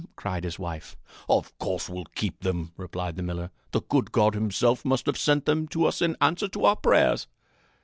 cried his wife. "Of course we'll keep them," replied the miller. "The good God himself must have sent them to us in answer to our prayers."